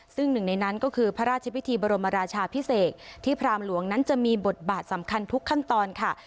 ซึ่งหนึ่งในนั้นก็คือพระราชพิธีบรมราชาพิเศษที่พรามหลวงนั้นจะมีบทบาทสำคัญทุกขั้นตอนค่ะ